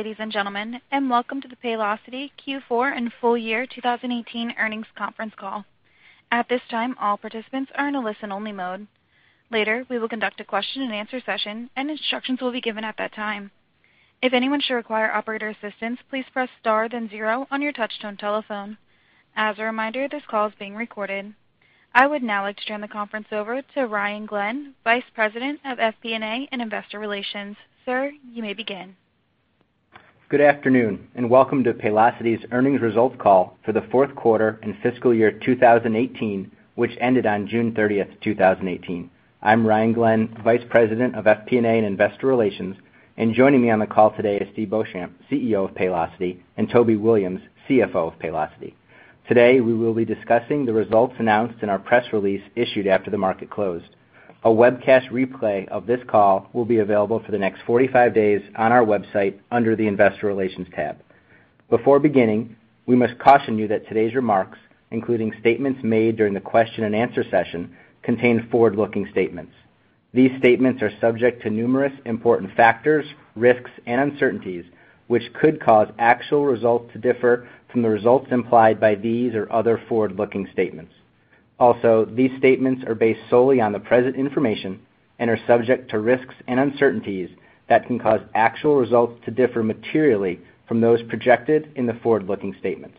Ladies and gentlemen, welcome to the Paylocity Q4 and full year 2018 earnings conference call. At this time, all participants are in a listen-only mode. Later, we will conduct a question-and-answer session, and instructions will be given at that time. If anyone should require operator assistance, please press star then zero on your touchtone telephone. As a reminder, this call is being recorded. I would now like to turn the conference over to Ryan Glenn, Vice President of FP&A and Investor Relations. Sir, you may begin. Good afternoon, welcome to Paylocity's earnings results call for the fourth quarter and fiscal year 2018, which ended on June 30th, 2018. I'm Ryan Glenn, Vice President of FP&A and Investor Relations, and joining me on the call today is Steve Beauchamp, CEO of Paylocity, and Toby Williams, CFO of Paylocity. Today, we will be discussing the results announced in our press release issued after the market closed. A webcast replay of this call will be available for the next 45 days on our website under the investor relations tab. Before beginning, we must caution you that today's remarks, including statements made during the question-and-answer session, contain forward-looking statements. These statements are subject to numerous important factors, risks, and uncertainties, which could cause actual results to differ from the results implied by these or other forward-looking statements. These statements are based solely on the present information and are subject to risks and uncertainties that can cause actual results to differ materially from those projected in the forward-looking statements.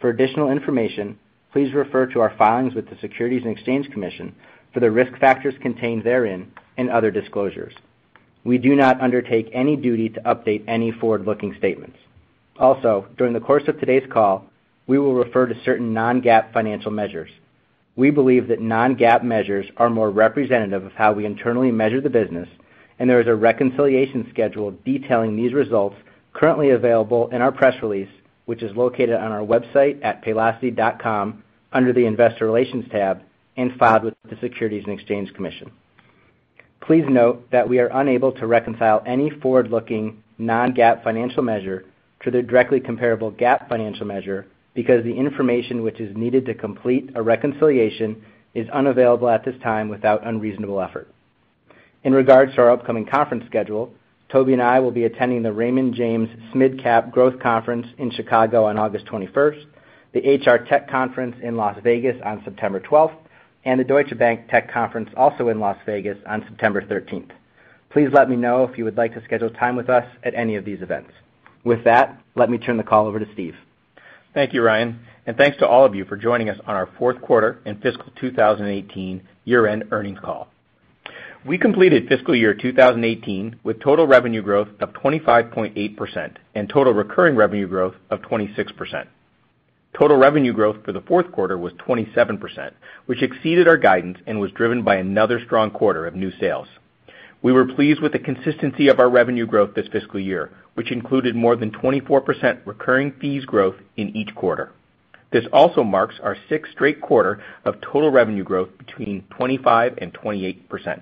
For additional information, please refer to our filings with the Securities and Exchange Commission for the risk factors contained therein and other disclosures. We do not undertake any duty to update any forward-looking statements. During the course of today's call, we will refer to certain non-GAAP financial measures. We believe that non-GAAP measures are more representative of how we internally measure the business, and there is a reconciliation schedule detailing these results currently available in our press release, which is located on our website at paylocity.com under the investor relations tab and filed with the Securities and Exchange Commission. Please note that we are unable to reconcile any forward-looking non-GAAP financial measure to the directly comparable GAAP financial measure because the information which is needed to complete a reconciliation is unavailable at this time without unreasonable effort. In regards to our upcoming conference schedule, Toby and I will be attending the Raymond James Midcap Growth Conference in Chicago on August 21st, the HR Technology Conference in Las Vegas on September 12th, and the Deutsche Bank Tech Conference also in Las Vegas on September 13th. Please let me know if you would like to schedule time with us at any of these events. With that, let me turn the call over to Steve. Thank you, Ryan, and thanks to all of you for joining us on our fourth quarter and fiscal 2018 year-end earnings call. We completed fiscal year 2018 with total revenue growth of 25.8% and total recurring revenue growth of 26%. Total revenue growth for the fourth quarter was 27%, which exceeded our guidance and was driven by another strong quarter of new sales. We were pleased with the consistency of our revenue growth this fiscal year, which included more than 24% recurring fees growth in each quarter. This also marks our sixth straight quarter of total revenue growth between 25%-28%.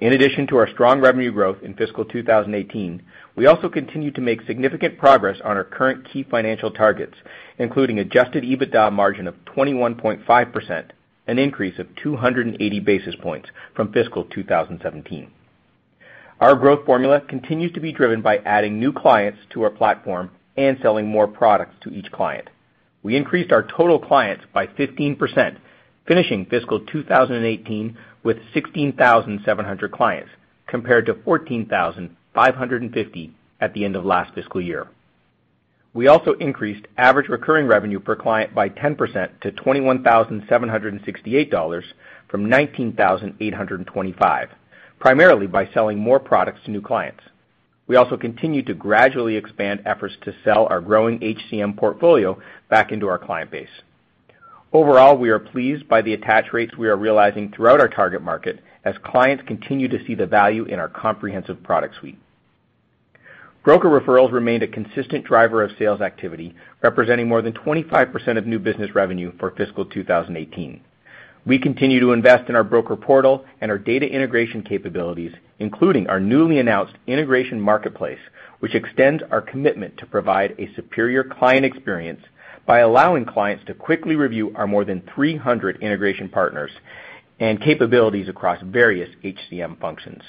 In addition to our strong revenue growth in fiscal 2018, we also continued to make significant progress on our current key financial targets, including adjusted EBITDA margin of 21.5%, an increase of 280 basis points from fiscal 2017. Our growth formula continues to be driven by adding new clients to our platform and selling more products to each client. We increased our total clients by 15%, finishing fiscal 2018 with 16,700 clients compared to 14,550 at the end of last fiscal year. We also increased average recurring revenue per client by 10% to $21,768 from $19,825, primarily by selling more products to new clients. We also continued to gradually expand efforts to sell our growing HCM portfolio back into our client base. Overall, we are pleased by the attach rates we are realizing throughout our target market as clients continue to see the value in our comprehensive product suite. Broker referrals remained a consistent driver of sales activity, representing more than 25% of new business revenue for fiscal 2018. We continue to invest in our broker portal and our data integration capabilities, including our newly announced integration marketplace, which extends our commitment to provide a superior client experience by allowing clients to quickly review our more than 300 integration partners and capabilities across various HCM functions.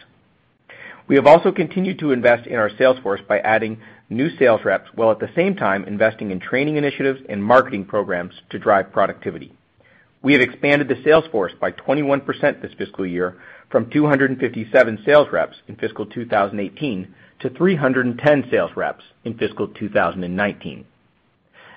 We have also continued to invest in our sales force by adding new sales reps, while at the same time investing in training initiatives and marketing programs to drive productivity. We have expanded the sales force by 21% this fiscal year from 257 sales reps in fiscal 2018 to 310 sales reps in fiscal 2019.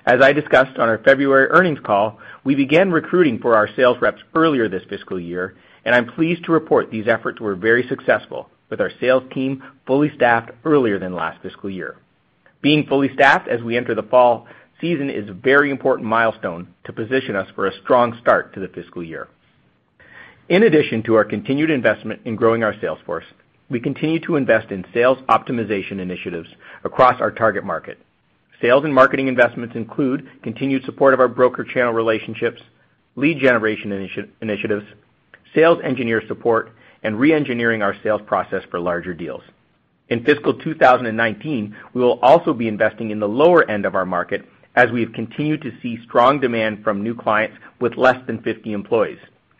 As I discussed on our February earnings call, we began recruiting for our sales reps earlier this fiscal year, and I'm pleased to report these efforts were very successful, with our sales team fully staffed earlier than last fiscal year. Being fully staffed as we enter the fall season is a very important milestone to position us for a strong start to the fiscal year. In addition to our continued investment in growing our sales force, we continue to invest in sales optimization initiatives across our target market. Sales and marketing investments include continued support of our broker channel relationships, lead generation initiatives, sales engineer support, and re-engineering our sales process for larger deals. In fiscal 2019, we will also be investing in the lower end of our market as we have continued to see strong demand from new clients with less than 50 employees.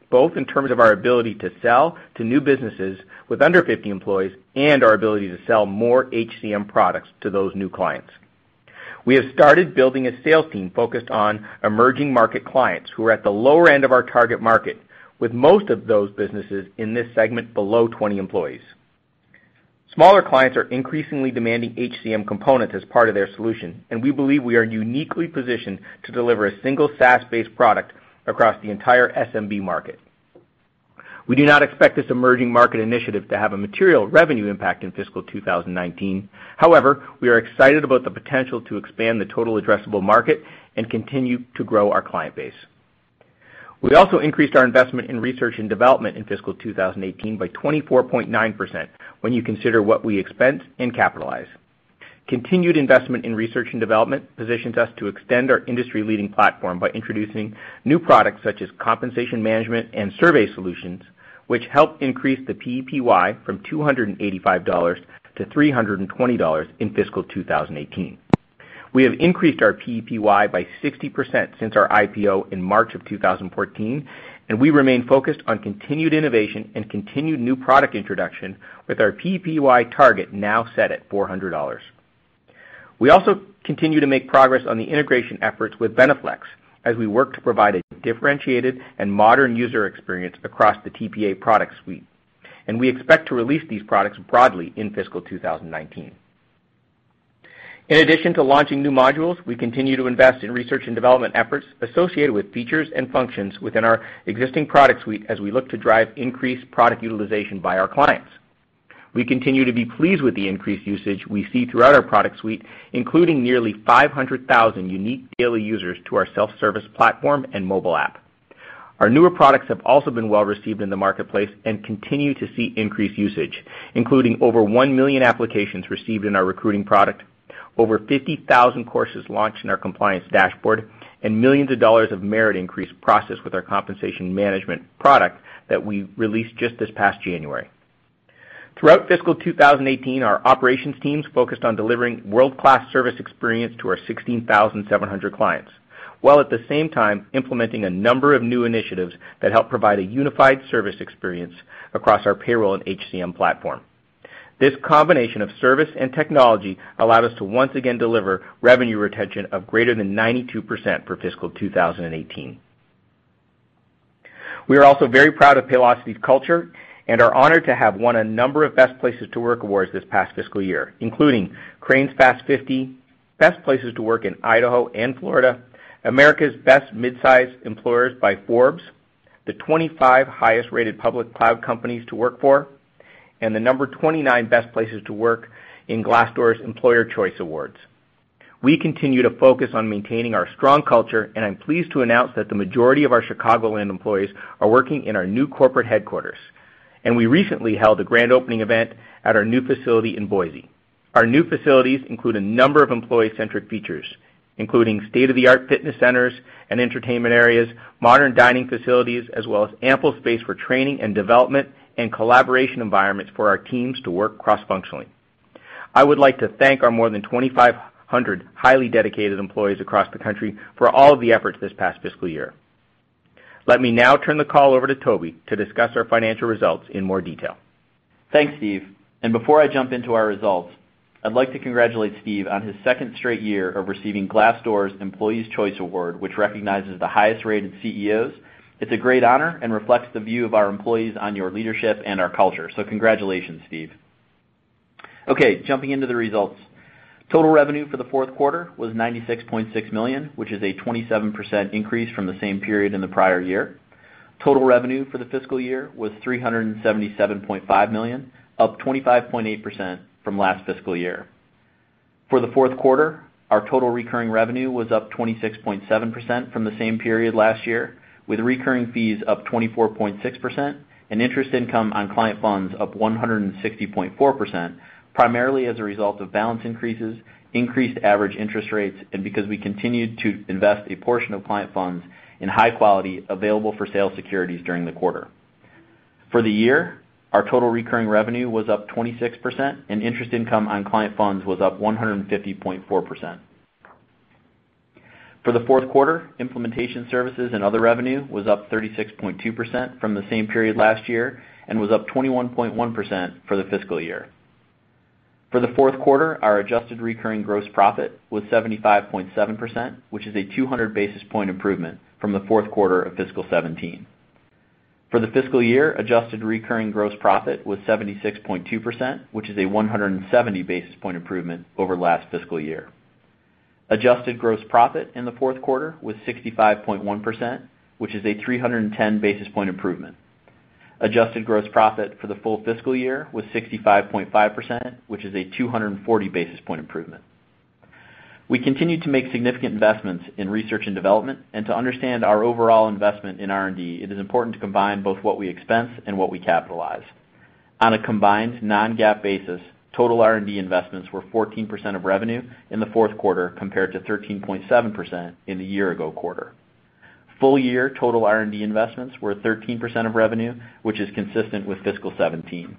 Both in terms of our ability to sell to new businesses with under 50 employees and our ability to sell more HCM products to those new clients. We have started building a sales team focused on emerging market clients who are at the lower end of our target market, with most of those businesses in this segment below 20 employees. Smaller clients are increasingly demanding HCM components as part of their solution. We believe we are uniquely positioned to deliver a single SaaS-based product across the entire SMB market. We do not expect this emerging market initiative to have a material revenue impact in fiscal 2019. However, we are excited about the potential to expand the total addressable market and continue to grow our client base. We also increased our investment in research and development in fiscal 2018 by 24.9% when you consider what we expense and capitalize. Continued investment in research and development positions us to extend our industry-leading platform by introducing new products such as compensation management and survey solutions, which help increase the PEPY from $285 to $320 in fiscal 2018. We have increased our PEPY by 60% since our IPO in March of 2014, and we remain focused on continued innovation and continued new product introduction with our PEPY target now set at $400. We also continue to make progress on the integration efforts with BeneFLEX as we work to provide a differentiated and modern user experience across the TPA product suite. We expect to release these products broadly in fiscal 2019. In addition to launching new modules, we continue to invest in research and development efforts associated with features and functions within our existing product suite as we look to drive increased product utilization by our clients. We continue to be pleased with the increased usage we see throughout our product suite, including nearly 500,000 unique daily users to our self-service platform and mobile app. Our newer products have also been well-received in the marketplace and continue to see increased usage, including over 1 million applications received in our recruiting product, over 50,000 courses launched in our compliance dashboard, and millions of dollars of merit increase processed with our compensation management product that we released just this past January. Throughout fiscal 2018, our operations teams focused on delivering world-class service experience to our 16,700 clients, while at the same time implementing a number of new initiatives that help provide a unified service experience across our payroll and HCM platform. This combination of service and technology allowed us to once again deliver revenue retention of greater than 92% for fiscal 2018. We are also very proud of Paylocity's culture and are honored to have won a number of Best Places to Work awards this past fiscal year, including Crain's Fast 50, Best Places to Work in Idaho and Florida, America's Best Midsize Employers by Forbes, the 25 Highest Rated Public Cloud Companies to Work For, and the number 29 Best Places to Work in Glassdoor's Employees' Choice Awards. We continue to focus on maintaining our strong culture. I'm pleased to announce that the majority of our Chicagoland employees are working in our new corporate headquarters. We recently held a grand opening event at our new facility in Boise. Our new facilities include a number of employee-centric features, including state-of-the-art fitness centers and entertainment areas, modern dining facilities, as well as ample space for training and development, and collaboration environments for our teams to work cross-functionally. I would like to thank our more than 2,500 highly dedicated employees across the country for all of the efforts this past fiscal year. Let me now turn the call over to Toby to discuss our financial results in more detail. Thanks, Steve. Before I jump into our results, I'd like to congratulate Steve on his second straight year of receiving Glassdoor's Employees' Choice Award, which recognizes the highest-rated CEOs. It's a great honor and reflects the view of our employees on your leadership and our culture. Congratulations, Steve. Jumping into the results. Total revenue for the fourth quarter was $96.6 million, which is a 27% increase from the same period in the prior year. Total revenue for the fiscal year was $377.5 million, up 25.8% from last fiscal year. For the fourth quarter, our total recurring revenue was up 26.7% from the same period last year, with recurring fees up 24.6% and interest income on client funds up 160.4%, primarily as a result of balance increases, increased average interest rates, and because we continued to invest a portion of client funds in high quality available-for-sale securities during the quarter. For the year, our total recurring revenue was up 26% and interest income on client funds was up 150.4%. For the fourth quarter, implementation services and other revenue was up 36.2% from the same period last year and was up 21.1% for the fiscal year. For the fourth quarter, our adjusted recurring gross profit was 75.7%, which is a 200-basis point improvement from the fourth quarter of fiscal 2017. For the fiscal year, adjusted recurring gross profit was 76.2%, which is a 170-basis point improvement over last fiscal year. Adjusted gross profit in the fourth quarter was 65.1%, which is a 310-basis point improvement. Adjusted gross profit for the full fiscal year was 65.5%, which is a 240-basis point improvement. We continued to make significant investments in research and development. To understand our overall investment in R&D, it is important to combine both what we expense and what we capitalize. On a combined non-GAAP basis, total R&D investments were 14% of revenue in the fourth quarter, compared to 13.7% in the year-ago quarter. Full-year total R&D investments were 13% of revenue, which is consistent with fiscal 2017.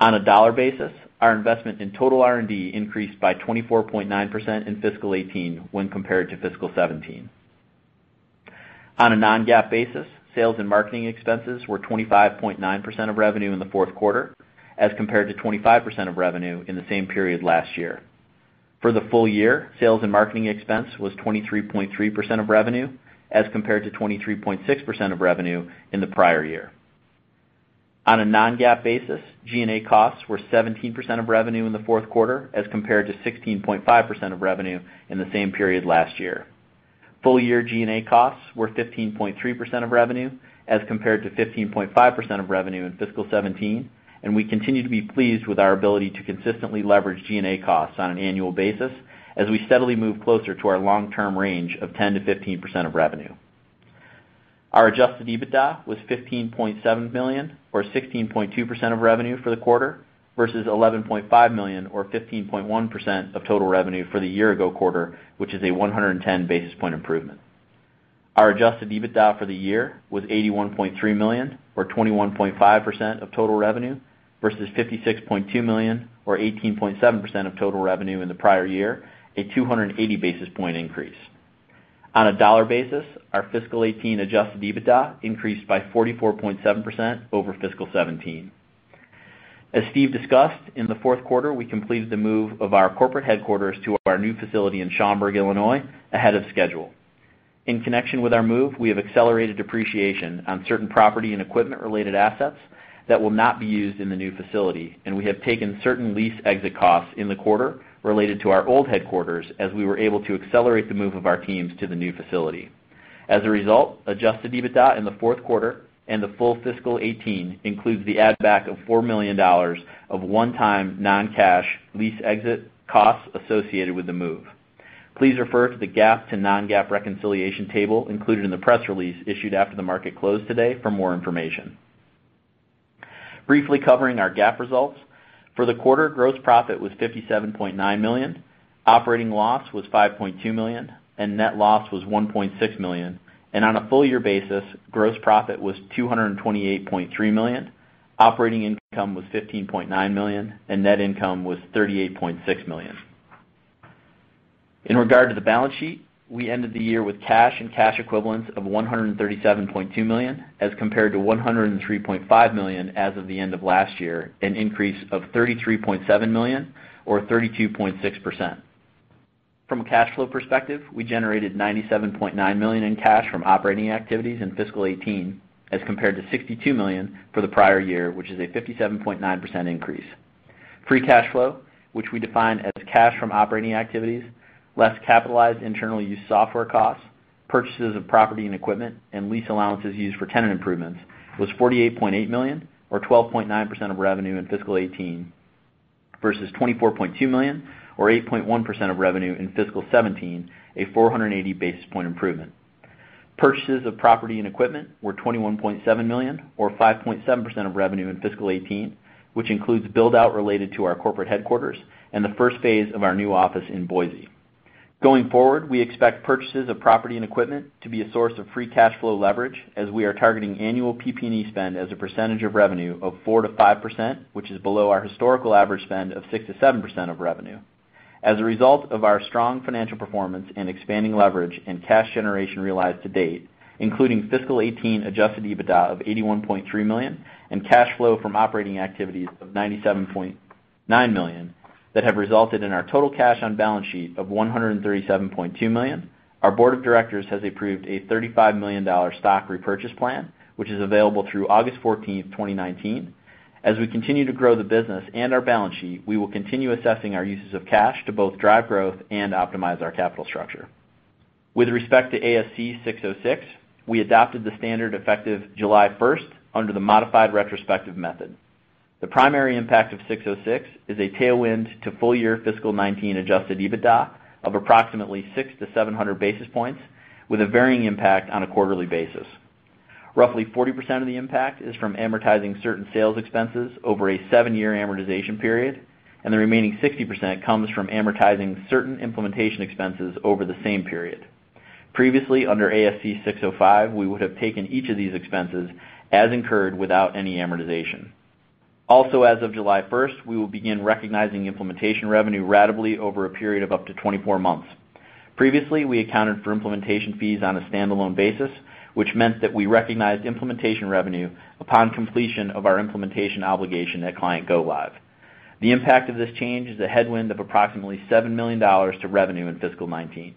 On a dollar basis, our investment in total R&D increased by 24.9% in fiscal 2018 when compared to fiscal 2017. On a non-GAAP basis, sales and marketing expenses were 25.9% of revenue in the fourth quarter as compared to 25% of revenue in the same period last year. For the full year, sales and marketing expense was 23.3% of revenue, as compared to 23.6% of revenue in the prior year. On a non-GAAP basis, G&A costs were 17% of revenue in the fourth quarter as compared to 16.5% of revenue in the same period last year. Full year G&A costs were 15.3% of revenue, as compared to 15.5% of revenue in fiscal 2017. We continue to be pleased with our ability to consistently leverage G&A costs on an annual basis, as we steadily move closer to our long-term range of 10%-15% of revenue. Our adjusted EBITDA was $15.7 million, or 16.2% of revenue for the quarter, versus $11.5 million or 15.1% of total revenue for the year ago quarter, which is a 110 basis point improvement. Our adjusted EBITDA for the year was $81.3 million or 21.5% of total revenue, versus $56.2 million or 18.7% of total revenue in the prior year, a 280 basis point increase. On a dollar basis, our fiscal 2018 adjusted EBITDA increased by 44.7% over fiscal 2017. As Steve discussed, in the fourth quarter, we completed the move of our corporate headquarters to our new facility in Schaumburg, Illinois, ahead of schedule. In connection with our move, we have accelerated depreciation on certain property and equipment-related assets that will not be used in the new facility. We have taken certain lease exit costs in the quarter related to our old headquarters, as we were able to accelerate the move of our teams to the new facility. As a result, adjusted EBITDA in the fourth quarter and the full fiscal 2018 includes the add-back of $4 million of one-time non-cash lease exit costs associated with the move. Please refer to the GAAP to non-GAAP reconciliation table included in the press release issued after the market closed today for more information. Briefly covering our GAAP results. For the quarter, gross profit was $57.9 million, operating loss was $5.2 million, and net loss was $1.6 million. On a full year basis, gross profit was $228.3 million, operating income was $15.9 million, and net income was $38.6 million. In regard to the balance sheet, we ended the year with cash and cash equivalents of $137.2 million as compared to $103.5 million as of the end of last year, an increase of $33.7 million or 32.6%. From a cash flow perspective, we generated $97.9 million in cash from operating activities in fiscal 2018 as compared to $62 million for the prior year, which is a 57.9% increase. Free cash flow, which we define as cash from operating activities less capitalized internal use software costs, purchases of property and equipment, and lease allowances used for tenant improvements, was $48.8 million or 12.9% of revenue in fiscal 2018 versus $24.2 million or 8.1% of revenue in fiscal 2017, a 480 basis point improvement. Purchases of property and equipment were $21.7 million or 5.7% of revenue in fiscal 2018, which includes build-out related to our corporate headquarters and the first phase of our new office in Boise. Going forward, we expect purchases of property and equipment to be a source of free cash flow leverage as we are targeting annual PP&E spend as a percentage of revenue of 4%-5%, which is below our historical average spend of 6%-7% of revenue. As a result of our strong financial performance and expanding leverage and cash generation realized to date, including fiscal 2018 adjusted EBITDA of $81.3 million and cash flow from operating activities of $97.9 million that have resulted in our total cash on balance sheet of $137.2 million, our board of directors has approved a $35 million stock repurchase plan, which is available through August 14, 2019. As we continue to grow the business and our balance sheet, we will continue assessing our uses of cash to both drive growth and optimize our capital structure. With respect to ASC 606, we adopted the standard effective July 1st under the modified retrospective method. The primary impact of 606 is a tailwind to full year fiscal 2019 adjusted EBITDA of approximately 6 to 700 basis points, with a varying impact on a quarterly basis. Roughly 40% of the impact is from amortizing certain sales expenses over a seven-year amortization period, and the remaining 60% comes from amortizing certain implementation expenses over the same period. Previously, under ASC 605, we would have taken each of these expenses as incurred without any amortization. Also, as of July 1st, we will begin recognizing implementation revenue ratably over a period of up to 24 months. Previously, we accounted for implementation fees on a standalone basis, which meant that we recognized implementation revenue upon completion of our implementation obligation at client go live. The impact of this change is a headwind of approximately $7 million to revenue in fiscal 2019.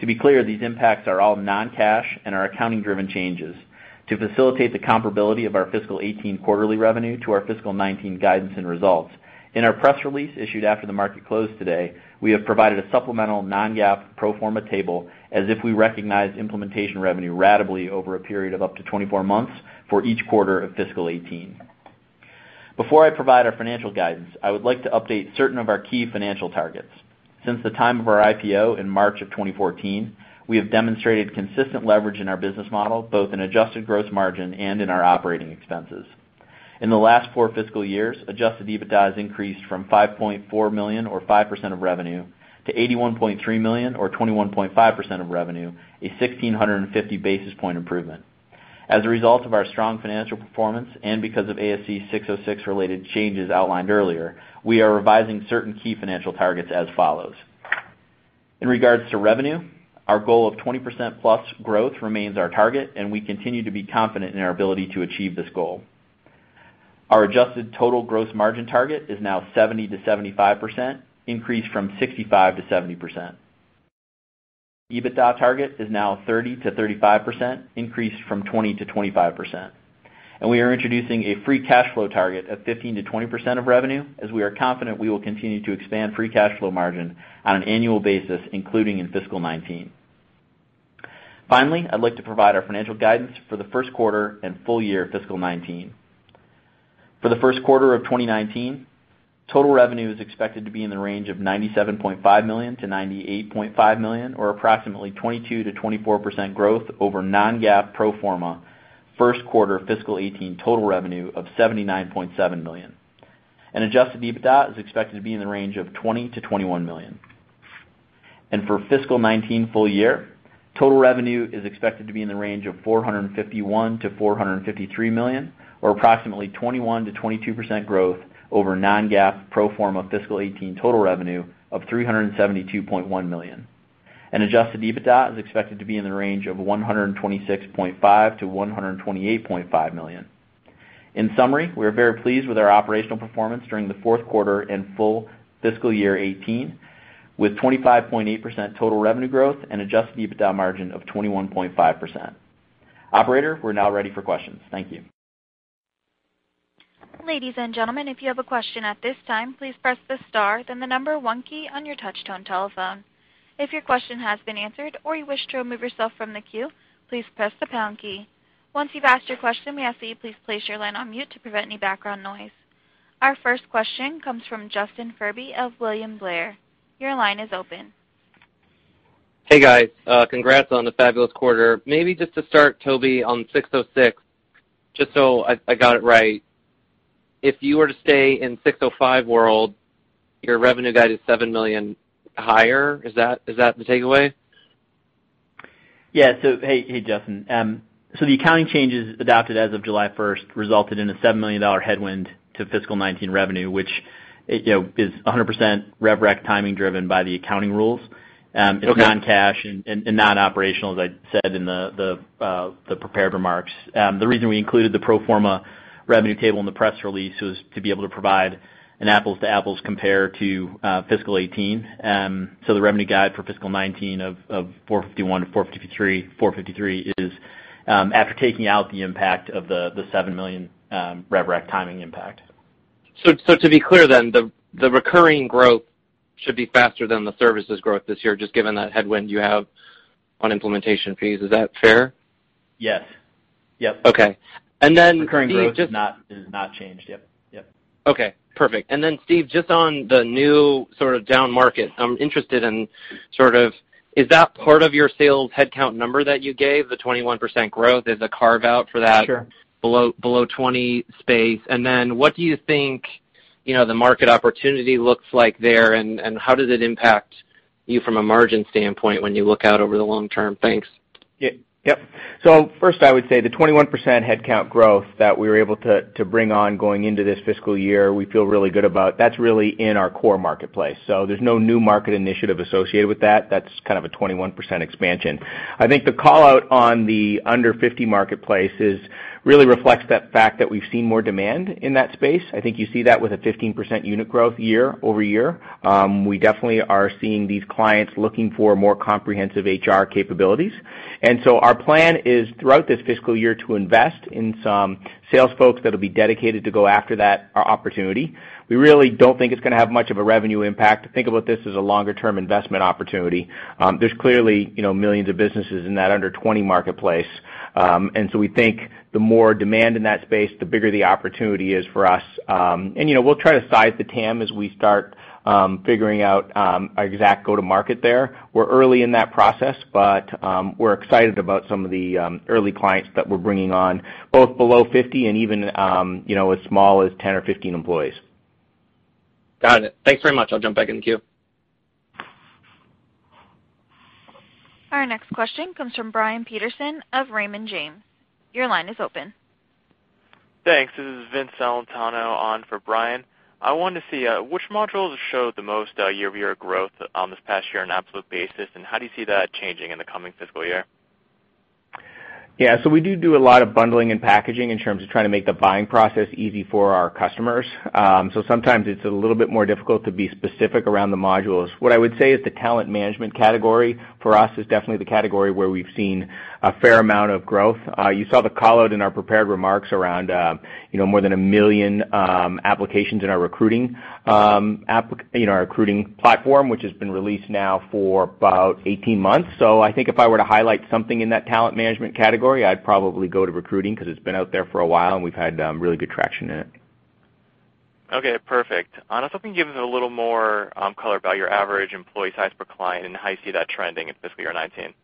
To be clear, these impacts are all non-cash and are accounting-driven changes. To facilitate the comparability of our fiscal 2018 quarterly revenue to our fiscal 2019 guidance and results, in our press release issued after the market closed today, we have provided a supplemental non-GAAP pro forma table as if we recognized implementation revenue ratably over a period of up to 24 months for each quarter of fiscal 2018. Before I provide our financial guidance, I would like to update certain of our key financial targets. Since the time of our IPO in March 2014, we have demonstrated consistent leverage in our business model, both in adjusted gross margin and in our operating expenses. In the last four fiscal years, adjusted EBITDA has increased from $5.4 million or 5% of revenue to $81.3 million or 21.5% of revenue, a 1,650 basis point improvement. As a result of our strong financial performance and because of ASC 606-related changes outlined earlier, we are revising certain key financial targets as follows. In regards to revenue, our goal of 20%+ growth remains our target, and we continue to be confident in our ability to achieve this goal. Our adjusted total gross margin target is now 70%-75%, increased from 65%-70%. EBITDA target is now 30%-35%, increased from 20%-25%. We are introducing a free cash flow target of 15%-20% of revenue, as we are confident we will continue to expand free cash flow margin on an annual basis, including in fiscal 2019. Finally, I'd like to provide our financial guidance for the first quarter and full year fiscal 2019. For the first quarter of 2019, total revenue is expected to be in the range of $97.5 million-$98.5 million, or approximately 22%-24% growth over non-GAAP pro forma first quarter fiscal 2018 total revenue of $79.7 million. Adjusted EBITDA is expected to be in the range of $20 million-$21 million. For fiscal 2019 full year, total revenue is expected to be in the range of $451 million-$453 million, or approximately 21%-22% growth over non-GAAP pro forma fiscal 2018 total revenue of $372.1 million. Adjusted EBITDA is expected to be in the range of $126.5 million-$128.5 million. In summary, we are very pleased with our operational performance during the fourth quarter and full fiscal year 2018, with 25.8% total revenue growth and adjusted EBITDA margin of 21.5%. Operator, we're now ready for questions. Thank you. Ladies and gentlemen, if you have a question at this time, please press the star, then the number 1 key on your touch-tone telephone. If your question has been answered or you wish to remove yourself from the queue, please press the pound key. Once you've asked your question, we ask that you please place your line on mute to prevent any background noise. Our first question comes from Justin Furby of William Blair. Your line is open. Hey, guys. Congrats on the fabulous quarter. Maybe just to start, Toby, on 606, just so I got it right. If you were to stay in 605 world, your revenue guide is $7 million higher. Is that the takeaway? Yeah. Hey, Justin. The accounting changes adopted as of July 1st resulted in a $7 million headwind to fiscal 2019 revenue, which is 100% rev rec timing driven by the accounting rules. Okay. It's non-cash and non-operational, as I said in the prepared remarks. The reason we included the pro forma revenue table in the press release was to be able to provide an apples-to-apples compare to fiscal 2018. The revenue guide for fiscal 2019 of $451 million-$453 million is after taking out the impact of the $7 million rev rec timing impact. To be clear, the recurring growth should be faster than the services growth this year, just given that headwind you have on implementation fees. Is that fair? Yes. Okay. Steve. Recurring growth has not changed. Yep. Okay, perfect. Steve, just on the new sort of down market, I'm interested in, is that part of your sales headcount number that you gave, the 21% growth? Is the carve-out for that Sure below 20 space? What do you think the market opportunity looks like there, and how does it impact you from a margin standpoint when you look out over the long term? Thanks. Yep. First I would say the 21% headcount growth that we were able to bring on going into this fiscal year, we feel really good about. That's really in our core marketplace. There's no new market initiative associated with that. That's kind of a 21% expansion. I think the call-out on the under 50 marketplace really reflects that fact that we've seen more demand in that space. I think you see that with a 15% unit growth year-over-year. We definitely are seeing these clients looking for more comprehensive HR capabilities. Our plan is, throughout this fiscal year, to invest in some sales folks that'll be dedicated to go after that opportunity. We really don't think it's going to have much of a revenue impact. Think about this as a longer-term investment opportunity. There's clearly millions of businesses in that under 20 marketplace. We think the more demand in that space, the bigger the opportunity is for us. We'll try to size the TAM as we start figuring out our exact go to market there. We're early in that process, but we're excited about some of the early clients that we're bringing on, both below 50 and even as small as 10 or 15 employees. Got it. Thanks very much. I'll jump back in the queue. Our next question comes from Brian Peterson of Raymond James. Your line is open. Thanks. This is Vince Celentano on for Brian. I wanted to see which modules showed the most year-over-year growth this past year on an absolute basis, and how do you see that changing in the coming fiscal year? Yeah. We do a lot of bundling and packaging in terms of trying to make the buying process easy for our customers. Sometimes it's a little bit more difficult to be specific around the modules. What I would say is the talent management category for us is definitely the category where we've seen a fair amount of growth. You saw the call-out in our prepared remarks around more than 1 million applications in our recruiting platform, which has been released now for about 18 months. I think if I were to highlight something in that talent management category, I'd probably go to recruiting because it's been out there for a while, and we've had really good traction in it. Okay, perfect. If you can give us a little more color about your average employee size per client, and how you see that trending in fiscal year 2019.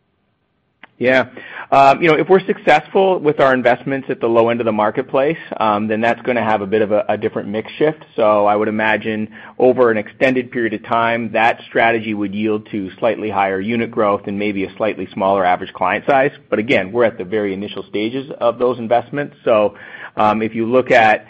Yeah. If we're successful with our investments at the low end of the marketplace, that's going to have a bit of a different mix shift. I would imagine over an extended period of time, that strategy would yield to slightly higher unit growth and maybe a slightly smaller average client size. Again, we're at the very initial stages of those investments. If you look at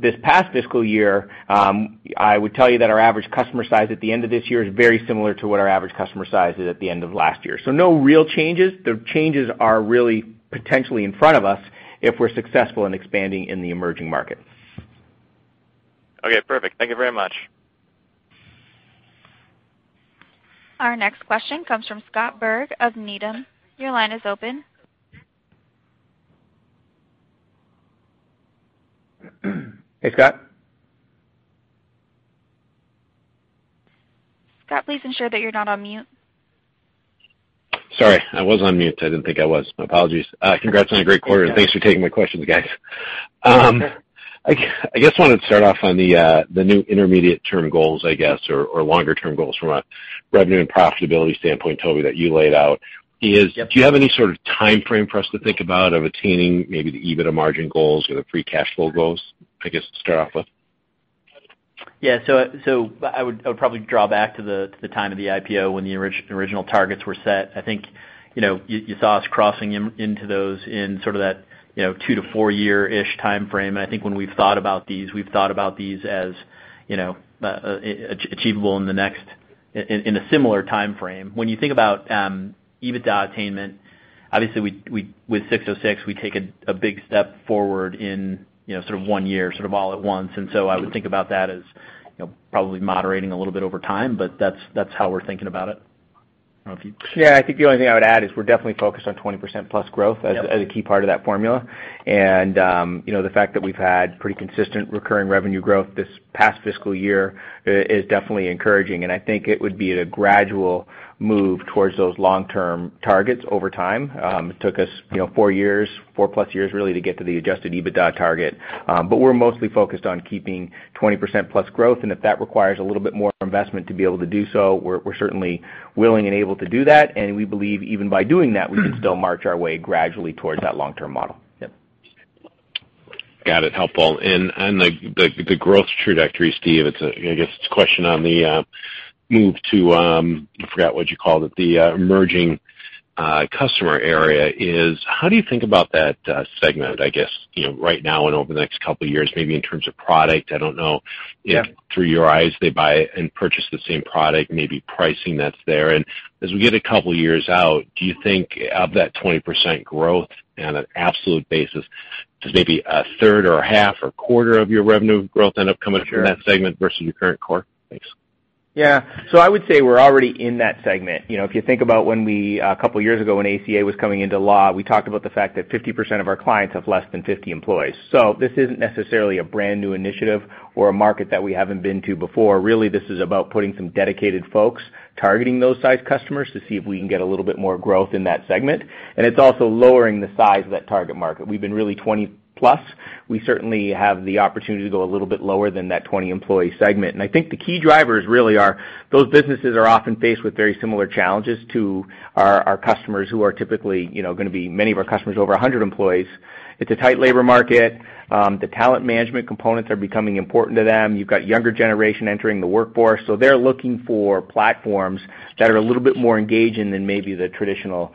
this past fiscal year, I would tell you that our average customer size at the end of this year is very similar to what our average customer size is at the end of last year. No real changes. The changes are really potentially in front of us if we're successful in expanding in the emerging markets. Okay, perfect. Thank you very much. Our next question comes from Scott Berg of Needham. Your line is open. Hey, Scott. Scott, please ensure that you're not on mute. Sorry, I was on mute. I didn't think I was. My apologies. Congrats on a great quarter. Thanks, Scott. Thanks for taking my questions, guys. I just wanted to start off on the new intermediate term goals, I guess, or longer term goals from a revenue and profitability standpoint, Toby, that you laid out. Yep. Do you have any sort of timeframe for us to think about of attaining maybe the EBITDA margin goals or the free cash flow goals, I guess, to start off with? Yeah. I would probably draw back to the time of the IPO when the original targets were set. I think you saw us crossing into those in sort of that two to four year-ish timeframe. I think when we've thought about these, we've thought about these as achievable in a similar timeframe. When you think about EBITDA attainment, obviously with 606, we take a big step forward in sort of one year, sort of all at once. I would think about that as probably moderating a little bit over time, but that's how we're thinking about it. Yeah, I think the only thing I would add is we're definitely focused on 20%+ growth as a key part of that formula. The fact that we've had pretty consistent recurring revenue growth this past fiscal year is definitely encouraging, and I think it would be at a gradual move towards those long-term targets over time. It took us 4+ years, really, to get to the adjusted EBITDA target. We're mostly focused on keeping 20%+ growth, and if that requires a little bit more investment to be able to do so, we're certainly willing and able to do that, and we believe even by doing that, we can still march our way gradually towards that long-term model. Yep. Got it. Helpful. The growth trajectory, Steve, I guess it's a question on the move to, I forgot what you called it, the emerging customer area is how do you think about that segment, I guess, right now and over the next couple of years, maybe in terms of product? I don't know. Yeah. If through your eyes, they buy and purchase the same product, maybe pricing that's there. As we get a couple of years out, do you think of that 20% growth on an absolute basis, does maybe a third or a half or a quarter of your revenue growth end up coming from that segment versus your current core? Thanks. Yeah. I would say we're already in that segment. If you think about a couple of years ago, when ACA was coming into law, we talked about the fact that 50% of our clients have less than 50 employees. This isn't necessarily a brand new initiative or a market that we haven't been to before. Really, this is about putting some dedicated folks targeting those size customers to see if we can get a little bit more growth in that segment. It's also lowering the size of that target market. We've been really 20+. We certainly have the opportunity to go a little bit lower than that 20 employee segment. I think the key drivers really are those businesses are often faced with very similar challenges to our customers who are typically going to be many of our customers, over 100 employees. It's a tight labor market. The talent management components are becoming important to them. They've got younger generation entering the workforce, they're looking for platforms that are a little bit more engaging than maybe the traditional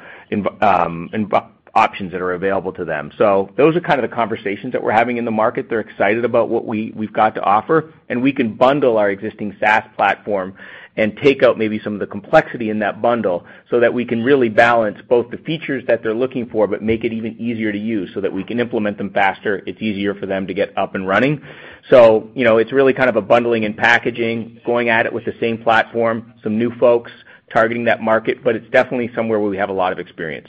options that are available to them. Those are kind of the conversations that we're having in the market. They're excited about what we've got to offer, and we can bundle our existing SaaS platform and take out maybe some of the complexity in that bundle so that we can really balance both the features that they're looking for, but make it even easier to use so that we can implement them faster. It's easier for them to get up and running. It's really kind of a bundling and packaging, going at it with the same platform, some new folks targeting that market, but it's definitely somewhere where we have a lot of experience.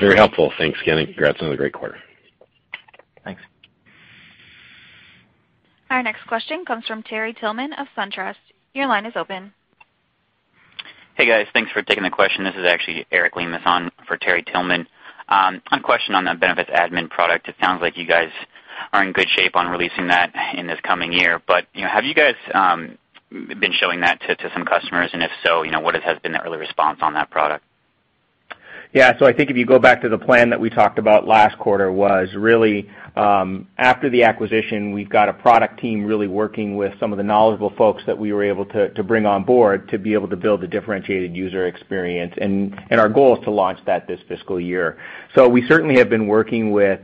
Very helpful. Thanks again, and congrats on a great quarter. Thanks. Our next question comes from Terry Tillman of SunTrust. Your line is open. Hey, guys. Thanks for taking the question. This is actually Eric Lemus on for Terry Tillman. A question on the benefits admin product. It sounds like you guys are in good shape on releasing that in this coming year. Have you guys been showing that to some customers? If so, what has been the early response on that product? Yeah. I think if you go back to the plan that we talked about last quarter was really, after the acquisition, we've got a product team really working with some of the knowledgeable folks that we were able to bring on board to be able to build a differentiated user experience. Our goal is to launch that this fiscal year. We certainly have been working with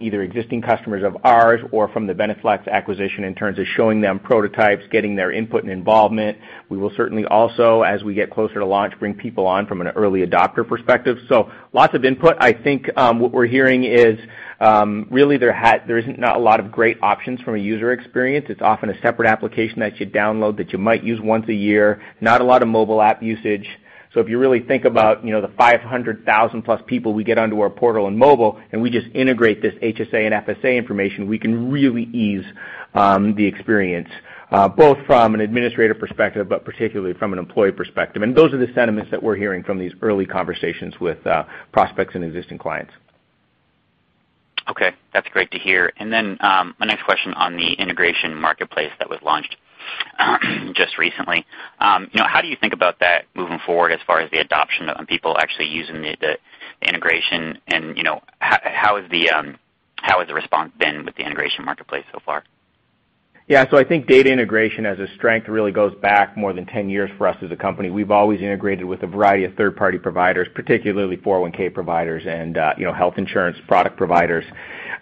either existing customers of ours or from the BeneFLEX acquisition in terms of showing them prototypes, getting their input and involvement. We will certainly also, as we get closer to launch, bring people on from an early adopter perspective. Lots of input. I think, what we're hearing is, really there isn't a lot of great options from a user experience. It's often a separate application that you download that you might use once a year, not a lot of mobile app usage. If you really think about the 500,000 plus people we get onto our portal and mobile, and we just integrate this HSA and FSA information, we can really ease the experience, both from an administrator perspective, but particularly from an employee perspective. Those are the sentiments that we're hearing from these early conversations with prospects and existing clients. Okay. That's great to hear. My next question on the integration marketplace that was launched just recently. How do you think about that moving forward as far as the adoption of people actually using the integration? How has the response been with the integration marketplace so far? Yeah. I think data integration as a strength really goes back more than 10 years for us as a company. We've always integrated with a variety of third-party providers, particularly 401(k) providers and health insurance product providers.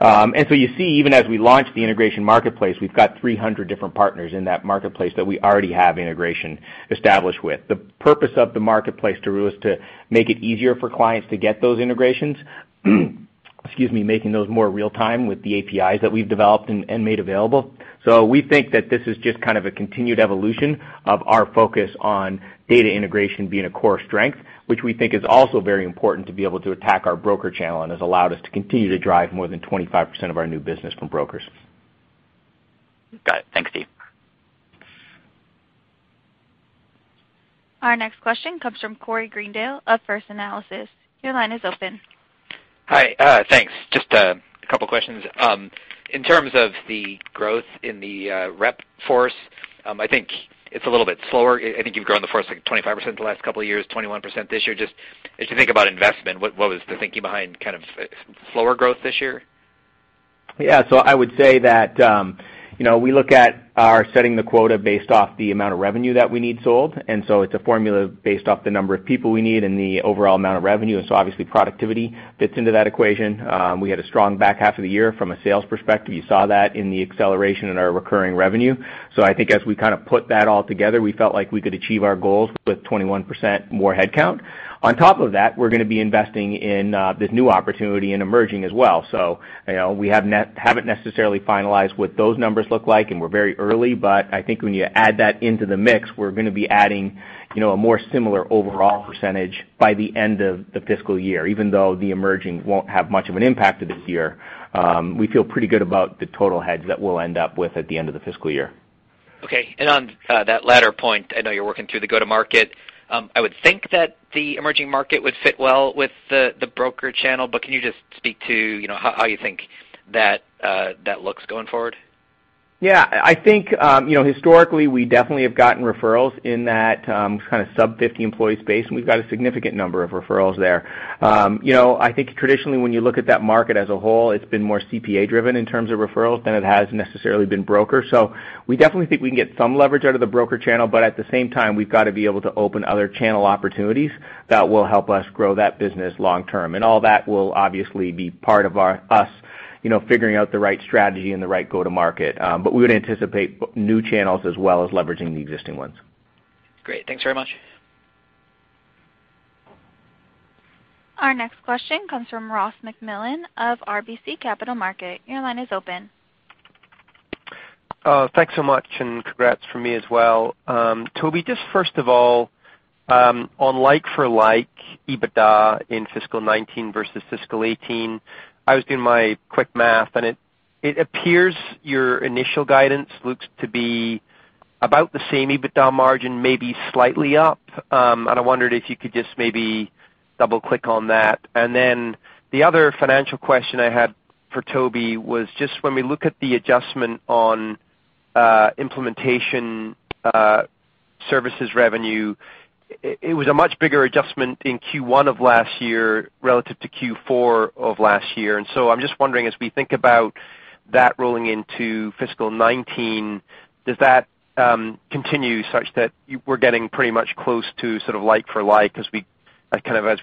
You see, even as we launch the integration marketplace, we've got 300 different partners in that marketplace that we already have integration established with. The purpose of the marketplace is to make it easier for clients to get those integrations, excuse me, making those more real-time with the APIs that we've developed and made available. We think that this is just a continued evolution of our focus on data integration being a core strength, which we think is also very important to be able to attack our broker channel, and has allowed us to continue to drive more than 25% of our new business from brokers. Got it. Thanks, Steve. Our next question comes from Corey Greendale of First Analysis. Your line is open. Hi. Thanks. Just a couple of questions. In terms of the growth in the rep force, I think it's a little bit slower. I think you've grown the force 25% the last couple of years, 21% this year. Just as you think about investment, what was the thinking behind slower growth this year? I would say that we look at our setting the quota based off the amount of revenue that we need sold. It's a formula based off the number of people we need and the overall amount of revenue. Obviously, productivity fits into that equation. We had a strong back half of the year from a sales perspective. You saw that in the acceleration in our recurring revenue. I think as we put that all together, we felt like we could achieve our goals with 21% more headcount. On top of that, we're going to be investing in this new opportunity in emerging as well. We haven't necessarily finalized what those numbers look like, and we're very early, but I think when you add that into the mix, we're going to be adding a more similar overall percentage by the end of the fiscal year. Even though the emerging won't have much of an impact this year, we feel pretty good about the total heads that we'll end up with at the end of the fiscal year. Okay. On that latter point, I know you're working through the go-to-market. I would think that the emerging market would fit well with the broker channel, but can you just speak to how you think that looks going forward? Yeah. I think historically, we definitely have gotten referrals in that sub-50 employee space, and we've got a significant number of referrals there. I think traditionally, when you look at that market as a whole, it's been more CPA driven in terms of referrals than it has necessarily been broker. We definitely think we can get some leverage out of the broker channel, but at the same time, we've got to be able to open other channel opportunities that will help us grow that business long-term. All that will obviously be part of us figuring out the right strategy and the right go-to-market. We would anticipate new channels as well as leveraging the existing ones. Great. Thanks very much. Our next question comes from Ross MacMillan of RBC Capital Markets. Your line is open. Thanks so much. Congrats from me as well. Toby, just first of all, on like for like EBITDA in fiscal 2019 versus fiscal 2018, I was doing my quick math, and it appears your initial guidance looks to be about the same EBITDA margin, maybe slightly up. I wondered if you could just maybe double-click on that. Then the other financial question I had for Toby was just when we look at the adjustment on implementation services revenue, it was a much bigger adjustment in Q1 of last year relative to Q4 of last year. I'm just wondering, as we think about that rolling into fiscal 2019, does that continue such that we're getting pretty much close to like for like as we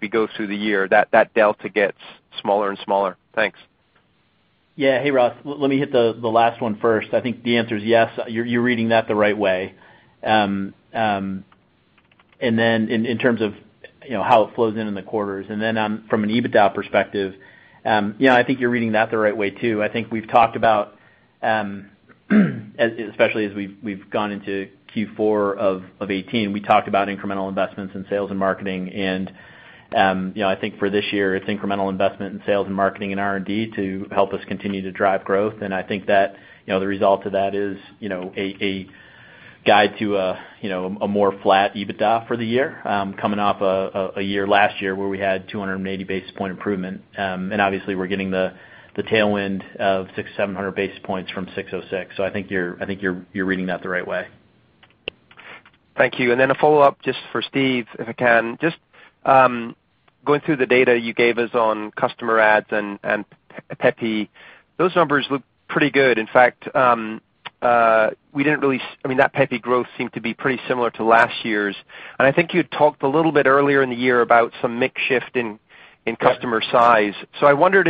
go through the year, that delta gets smaller and smaller? Thanks. Hey, Ross. Let me hit the last one first. I think the answer is yes, you're reading that the right way. Then in terms of how it flows in in the quarters, then from an EBITDA perspective, I think you're reading that the right way, too. I think we've talked about, especially as we've gone into Q4 of 2018, we talked about incremental investments in sales and marketing. I think for this year, it's incremental investment in sales and marketing and R&D to help us continue to drive growth. I think that the result of that is a guide to a more flat EBITDA for the year, coming off a year last year where we had 280 basis point improvement. Obviously, we're getting the tailwind of 600, 700 basis points from 606. I think you're reading that the right way. Thank you. A follow-up just for Steve, if I can. Going through the data you gave us on customer adds and PEPY, those numbers look pretty good. In fact, that PEPY growth seemed to be pretty similar to last year's. I think you talked a little bit earlier in the year about some mix shift in customer size. I wondered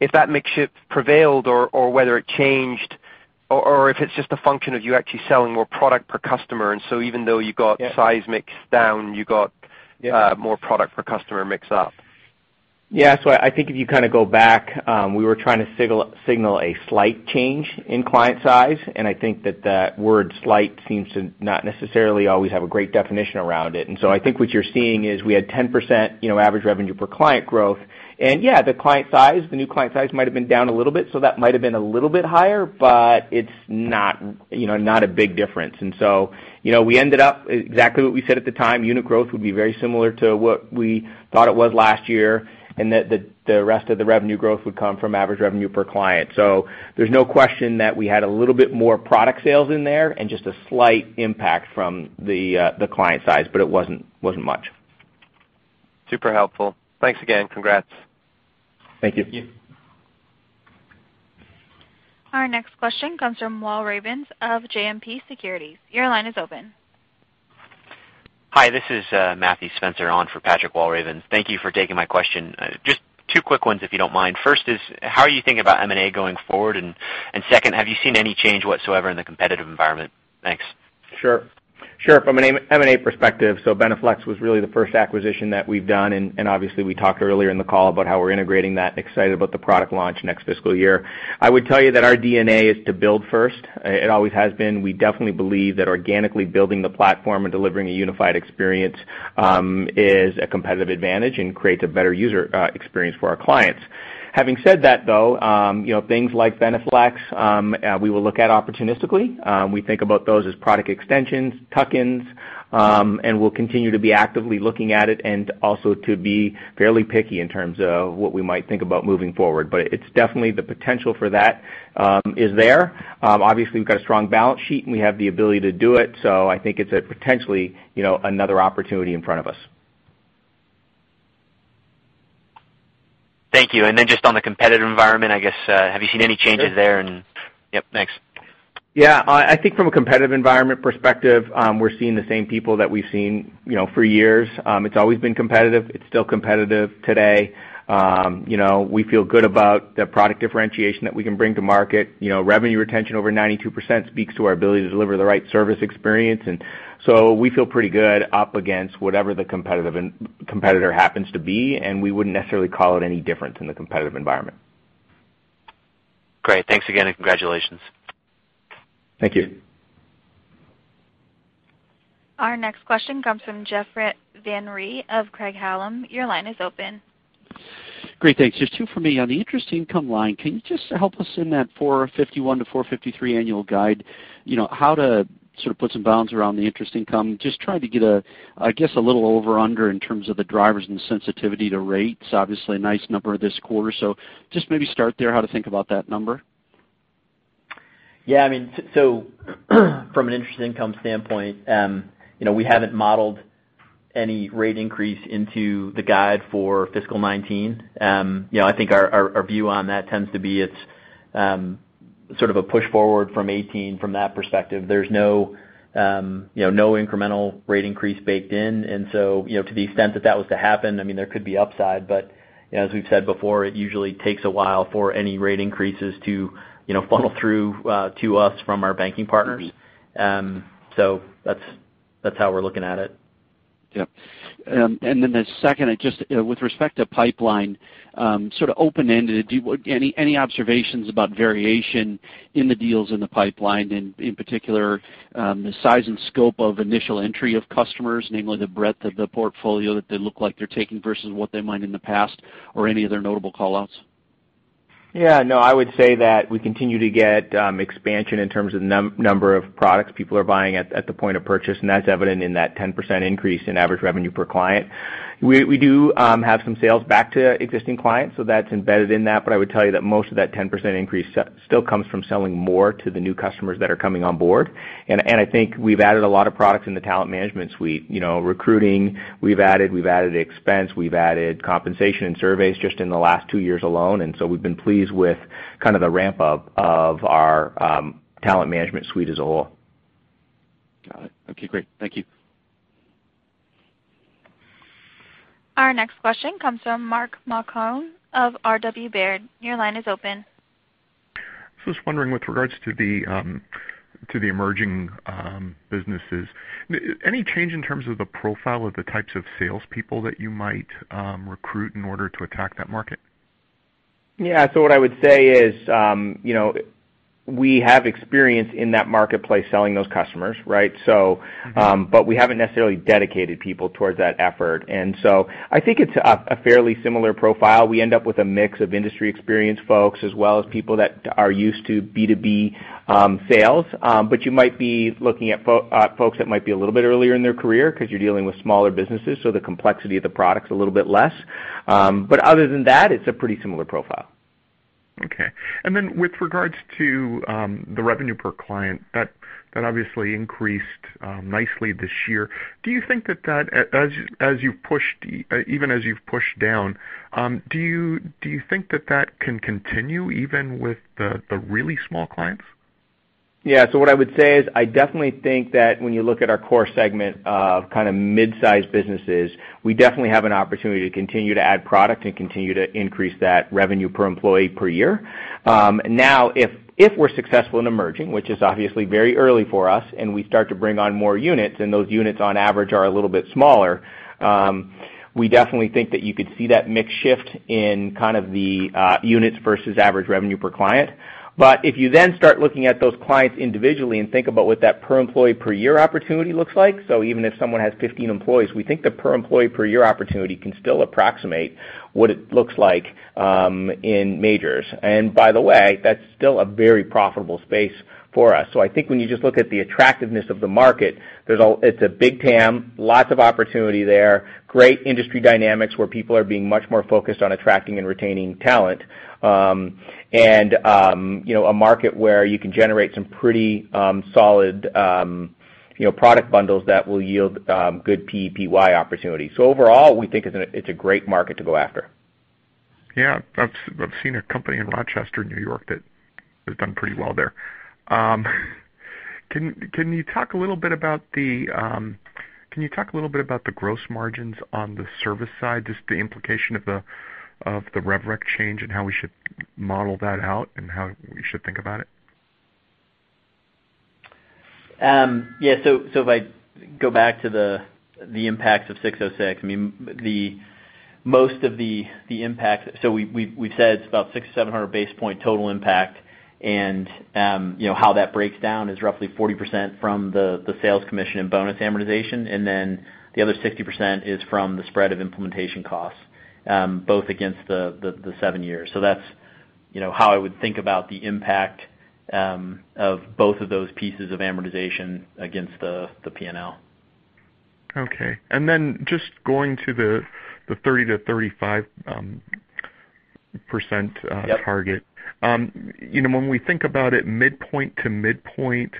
if that mix shift prevailed or whether it changed or if it's just a function of you actually selling more product per customer. Even though you got size mix down, you got more product per customer mix up. Yeah. I think if you go back, we were trying to signal a slight change in client size, I think that that word slight seems to not necessarily always have a great definition around it. I think what you're seeing is we had 10% average revenue per client growth. Yeah, the new client size might have been down a little bit, so that might have been a little bit higher, but it's not a big difference. We ended up exactly what we said at the time, unit growth would be very similar to what we thought it was last year, and that the rest of the revenue growth would come from average revenue per client. There's no question that we had a little bit more product sales in there and just a slight impact from the client size, but it wasn't much. Super helpful. Thanks again. Congrats. Thank you. Thank you. Our next question comes from Walravens of JMP Securities. Your line is open. Hi, this is Mathew Spencer on for Pat Walravens. Thank you for taking my question. Just two quick ones, if you don't mind. First is, how are you thinking about M&A going forward? Second, have you seen any change whatsoever in the competitive environment? Thanks. Sure. From an M&A perspective, BeneFLEX was really the first acquisition that we've done, and obviously we talked earlier in the call about how we're integrating that. Excited about the product launch next fiscal year. I would tell you that our DNA is to build first. It always has been. We definitely believe that organically building the platform and delivering a unified experience, is a competitive advantage and creates a better user experience for our clients. Having said that, though, things like BeneFLEX, we will look at opportunistically. We think about those as product extensions, tuck-ins, and we'll continue to be actively looking at it and also to be fairly picky in terms of what we might think about moving forward. It's definitely the potential for that is there. Obviously, we've got a strong balance sheet, and we have the ability to do it. I think it's a potentially another opportunity in front of us. Thank you. Then just on the competitive environment, I guess, have you seen any changes there? Yep. Thanks. Yeah. I think from a competitive environment perspective, we're seeing the same people that we've seen for years. It's always been competitive. It's still competitive today. We feel good about the product differentiation that we can bring to market. Revenue retention over 92% speaks to our ability to deliver the right service experience. So we feel pretty good up against whatever the competitor happens to be, we wouldn't necessarily call it any different in the competitive environment. Great. Thanks again. Congratulations. Thank you. Our next question comes from Jeff Van Rhee of Craig-Hallum. Your line is open. Great. Thanks. Just two from me. On the interest income line, can you just help us in that $451-$453 annual guide, how to sort of put some bounds around the interest income? Just trying to get a, I guess, a little over-under in terms of the drivers and sensitivity to rates. Obviously, a nice number this quarter. Just maybe start there, how to think about that number. Yeah, from an interest income standpoint, we haven't modeled any rate increase into the guide for fiscal 2019. I think our view on that tends to be it's sort of a push forward from 2018 from that perspective. There's no incremental rate increase baked in. To the extent that that was to happen, there could be upside. As we've said before, it usually takes a while for any rate increases to funnel through to us from our banking partners. That's how we're looking at it. Yep. The second, with respect to pipeline, sort of open-ended, any observations about variation in the deals in the pipeline, in particular, the size and scope of initial entry of customers, namely the breadth of the portfolio that they look like they're taking versus what they might in the past or any other notable call-outs? Yeah, no, I would say that we continue to get expansion in terms of number of products people are buying at the point of purchase, and that's evident in that 10% increase in average revenue per client. We do have some sales back to existing clients, so that's embedded in that. I would tell you that most of that 10% increase still comes from selling more to the new customers that are coming on board. I think we've added a lot of products in the talent management suite. Recruiting, we've added expense, we've added compensation and surveys just in the last two years alone. We've been pleased with kind of the ramp-up of our talent management suite as a whole. Got it. Okay, great. Thank you. Our next question comes from Mark Marcon of RW Baird. Your line is open. I was wondering with regards to the emerging businesses, any change in terms of the profile of the types of salespeople that you might recruit in order to attack that market? Yeah. What I would say is, we have experience in that marketplace selling those customers, right? We haven't necessarily dedicated people towards that effort. I think it's a fairly similar profile. We end up with a mix of industry experienced folks as well as people that are used to B2B sales. You might be looking at folks that might be a little bit earlier in their career because you're dealing with smaller businesses, the complexity of the product's a little bit less. Other than that, it's a pretty similar profile. Okay. With regards to the revenue per client, that obviously increased nicely this year. Do you think that, even as you've pushed down, do you think that that can continue even with the really small clients? What I would say is, I definitely think that when you look at our core segment of mid-sized businesses, we definitely have an opportunity to continue to add product and continue to increase that revenue per employee per year. If we're successful in emerging, which is obviously very early for us, and we start to bring on more units, and those units on average are a little bit smaller, we definitely think that you could see that mix shift in kind of the units versus average revenue per client. If you then start looking at those clients individually and think about what that per employee per year opportunity looks like, even if someone has 15 employees, we think the per employee per year opportunity can still approximate what it looks like in majors. By the way, that's still a very profitable space for us. I think when you just look at the attractiveness of the market, it's a big TAM, lots of opportunity there, great industry dynamics where people are being much more focused on attracting and retaining talent, and a market where you can generate some pretty solid product bundles that will yield good PEPY opportunities. Overall, we think it's a great market to go after. Yeah. I've seen a company in Rochester, New York, that has done pretty well there. Can you talk a little bit about the gross margins on the service side, just the implication of the rev rec change and how we should model that out and how we should think about it? Yeah. If I go back to the impacts of 606, most of the impact. We've said it's about 600, 700 basis point total impact, and how that breaks down is roughly 40% from the sales commission and bonus amortization, and then the other 60% is from the spread of implementation costs, both against the 7 years. That's how I would think about the impact of both of those pieces of amortization against the P&L. Okay. Then just going to the 30%-35% target. Yep. When we think about it midpoint to midpoint,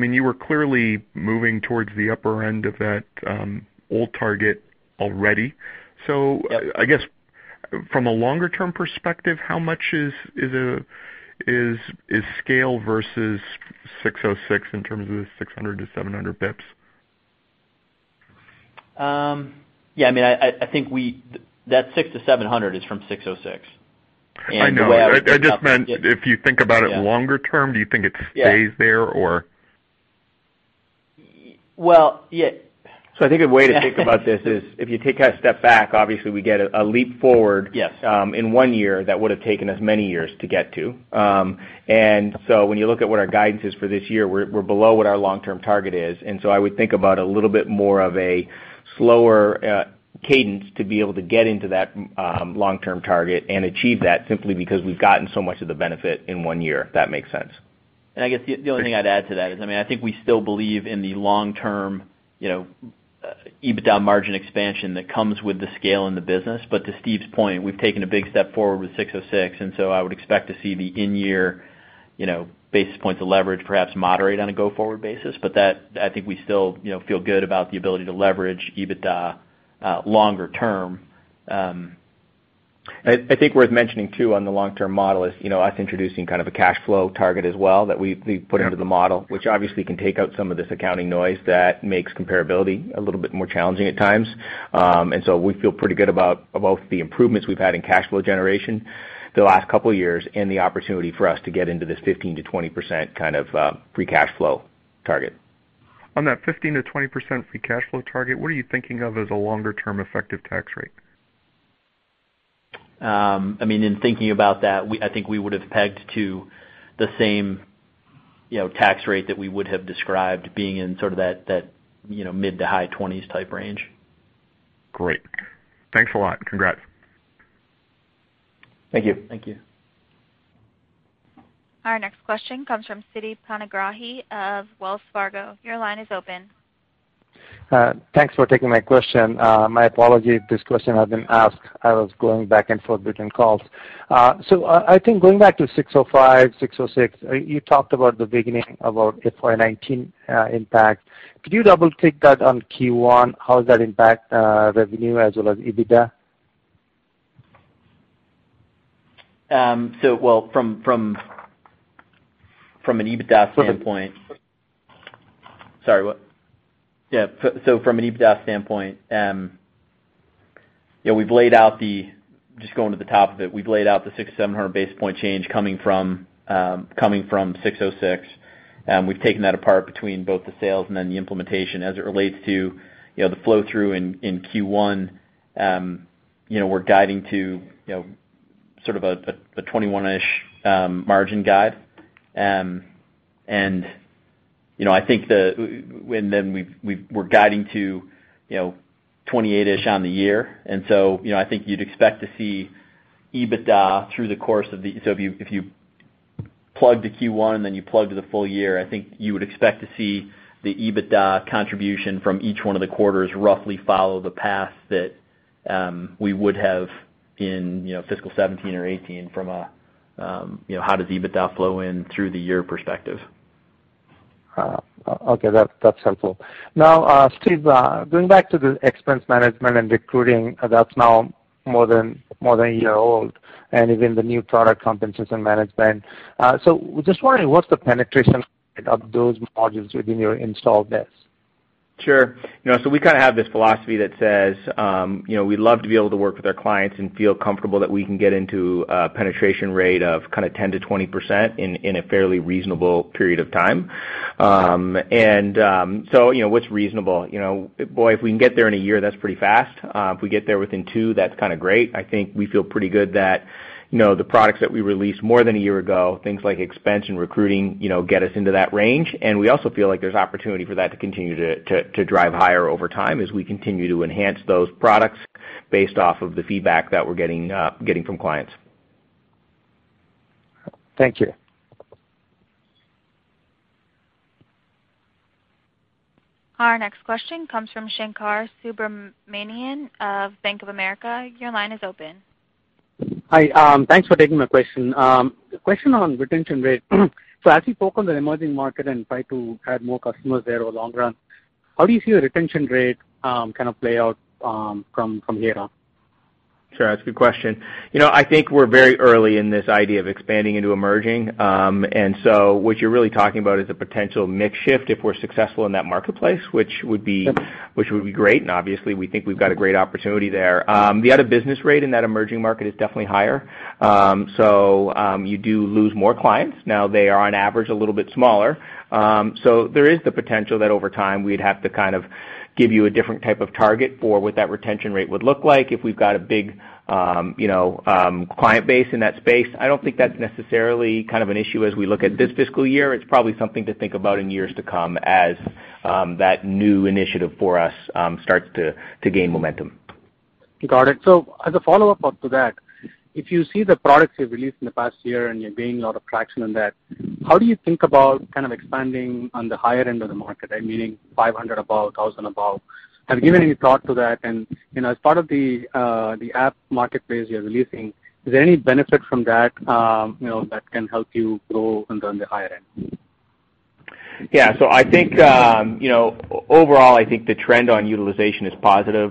you were clearly moving towards the upper end of that old target already. I guess from a longer-term perspective, how much is scale versus 606 in terms of the 600 to 700 basis points? Yeah. I think that 600 to 700 is from 606. The way I would I know. I just meant if you think about it longer term, do you think it stays there, or? Yeah. I think a way to think about this is, if you take a step back, obviously we get a leap forward. Yes In one year that would've taken us many years to get to. When you look at what our guidance is for this year, we're below what our long-term target is. I would think about a little bit more of a slower cadence to be able to get into that long-term target and achieve that simply because we've gotten so much of the benefit in one year, if that makes sense. I guess the only thing I'd add to that is, I think we still believe in the long-term EBITDA margin expansion that comes with the scale in the business. To Steve's point, we've taken a big step forward with 606, and so I would expect to see the in-year basis points of leverage perhaps moderate on a go-forward basis. I think we still feel good about the ability to leverage EBITDA longer term. I think worth mentioning, too, on the long-term model is us introducing a cash flow target as well that we put into the model, which obviously can take out some of this accounting noise that makes comparability a little bit more challenging at times. We feel pretty good about both the improvements we've had in cash flow generation the last couple of years and the opportunity for us to get into this 15%-20% free cash flow target. On that 15%-20% free cash flow target, what are you thinking of as a longer-term effective tax rate? In thinking about that, I think we would've pegged to the same tax rate that we would have described being in that mid to high 20s type range. Great. Thanks a lot. Congrats. Thank you. Thank you. Our next question comes from Siti Panigrahi of Wells Fargo. Your line is open. Thanks for taking my question. My apologies if this question has been asked. I was going back and forth between calls. I think going back to 605, 606, you talked about the beginning about FY 2019 impact. Could you double-click that on Q1? How does that impact revenue as well as EBITDA? From an EBITDA standpoint. Perfect. Sorry, what? Yeah. From an EBITDA standpoint, just going to the top of it, we've laid out the 600, 700 basis point change coming from 606. We've taken that apart between both the sales and then the implementation. As it relates to the flow-through in Q1, we're guiding to a 21-ish margin guide. We're guiding to 28-ish on the year, I think you'd expect to see EBITDA if you plug to Q1 and then you plug to the full year, I think you would expect to see the EBITDA contribution from each one of the quarters roughly follow the path that we would have in fiscal 2017 or 2018 from a how does EBITDA flow in through the year perspective. Okay. That's helpful. Now, Steve, going back to the expense management and recruiting, that's now more than a year old, and even the new product, Compensation Management. Just wondering, what's the penetration of those modules within your installed base? Sure. We have this philosophy that says, we love to be able to work with our clients and feel comfortable that we can get into a penetration rate of 10%-20% in a fairly reasonable period of time. What's reasonable? Boy, if we can get there in a year, that's pretty fast. If we get there within two, that's great. I think we feel pretty good that the products that we released more than a year ago, things like expense and recruiting, get us into that range, we also feel like there's opportunity for that to continue to drive higher over time as we continue to enhance those products based off of the feedback that we're getting from clients. Thank you. Our next question comes from Shankar Subramanian of Bank of America. Your line is open. Hi. Thanks for taking my question. Question on retention rate. As you focus on the emerging market and try to add more customers there over long run How do you see the retention rate play out from here on? Sure. That's a good question. I think we're very early in this idea of expanding into emerging. What you're really talking about is a potential mix shift if we're successful in that marketplace, which would be great, and obviously, we think we've got a great opportunity there. The out-of-business rate in that emerging market is definitely higher. You do lose more clients. Now, they are on average a little bit smaller. There is the potential that over time we'd have to give you a different type of target for what that retention rate would look like if we've got a big client base in that space. I don't think that's necessarily an issue as we look at this fiscal year. It's probably something to think about in years to come as that new initiative for us starts to gain momentum. Got it. As a follow-up to that, if you see the products you've released in the past year and you're gaining a lot of traction on that, how do you think about expanding on the higher end of the market, meaning 500 above, 1,000 above? Have you given any thought to that? As part of the app marketplace you're releasing, is there any benefit from that can help you grow on the higher end? Yeah. Overall, I think the trend on utilization is positive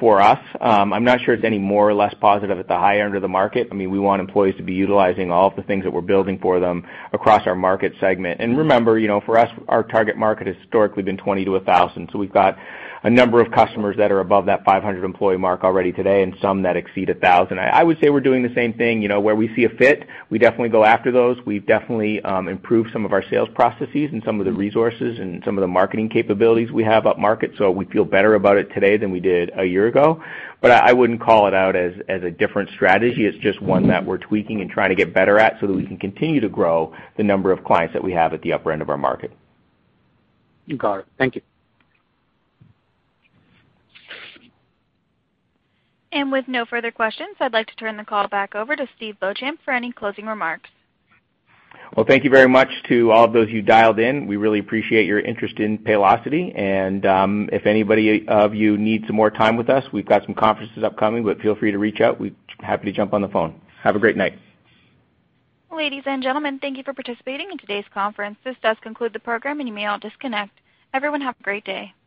for us. I'm not sure it's any more or less positive at the higher end of the market. We want employees to be utilizing all of the things that we're building for them across our market segment. Remember, for us, our target market has historically been 20 to 1,000. We've got a number of customers that are above that 500-employee mark already today, and some that exceed 1,000. I would say we're doing the same thing. Where we see a fit, we definitely go after those. We've definitely improved some of our sales processes and some of the resources and some of the marketing capabilities we have up market. We feel better about it today than we did a year ago. I wouldn't call it out as a different strategy. It's just one that we're tweaking and trying to get better at so that we can continue to grow the number of clients that we have at the upper end of our market. Got it. Thank you. With no further questions, I'd like to turn the call back over to Steve Beauchamp for any closing remarks. Thank you very much to all of those who dialed in. We really appreciate your interest in Paylocity. If any of you need some more time with us, we've got some conferences upcoming, feel free to reach out. We'd be happy to jump on the phone. Have a great night. Ladies and gentlemen, thank you for participating in today's conference. This does conclude the program, you may all disconnect. Everyone have a great day